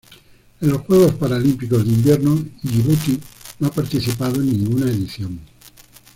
En los Juegos Paralímpicos de Invierno Yibuti no ha participado en ninguna edición.